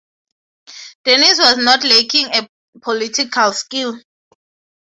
Denis was not lacking in political skill.